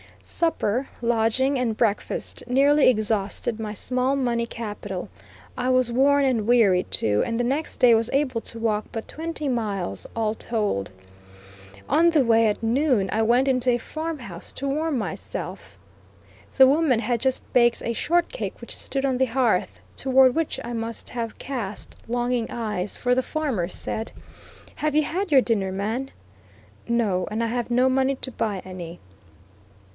Supper, lodging, and breakfast nearly exhausted my small money capital; I was worn and weary, too, and the next day was able to walk but twenty miles, all told. On the way, at noon I went into a farm house to warm myself. The woman had just baked a short cake which stood on the hearth, toward which I must have cast longing eyes, for the farmer said: "Have you had your dinner, man?" "No, and I have no money to buy any."